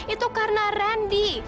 itu karena randy